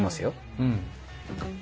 うん。